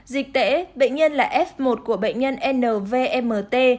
dịch tễ bệnh nhân là f một của bệnh nhân nvmt